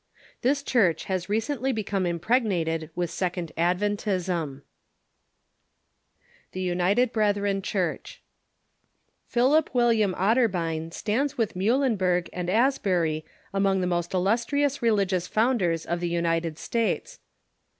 This Church has recently become impregnated with Second Adventism. Philip William Otterbein stands with Muhlenberg and As bury among the most illustrious religious founders of the United States.